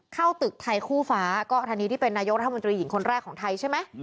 เข้าตึกไทยคู่ฟ้าก็อันนี้ที่เป็นนายกรัฐมนตรีหญิงคนแรกของไทยใช่ไหม